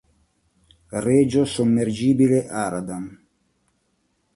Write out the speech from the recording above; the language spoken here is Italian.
Regio Sommergibile Aradam